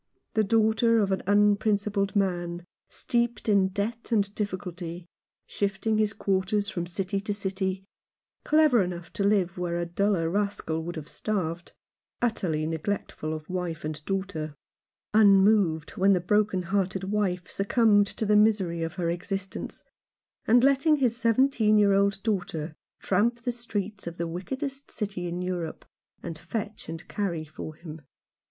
The daughter of an unprincipled man — steeped in debt and difficulty ; shifting his quarters from city to city ; clever enough to live where a duller rascal would have starved ; utterly neglectful of wife and daughter ; unmoved when the broken hearted wife succumbed to the misery of her existence, and letting his seventeen year old daughter tramp the streets of the wickedest city in Europe, and fetch and carry for him.